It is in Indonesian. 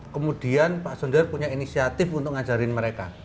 kemudian pak sonder punya inisiatif untuk mengajarin mereka